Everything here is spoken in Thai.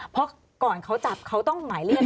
เพราะก่อนเขาจับเขาต้องหมายเรียก